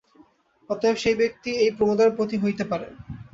অতএব সেই ব্যক্তিই এই প্রমদার পতি হইতে পারে।